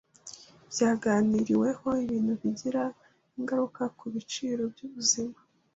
byaganiriweho Ibintu bigira ingaruka kubiciro byuburezi